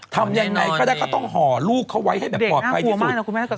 ทำอย่างไรเขาต้องห่อลูกเขาไว้ให้ปลอดภัยที่สุด